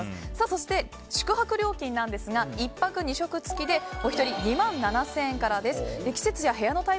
そして宿泊料金なんですが１泊２食付きでお一人２万７０００円からです。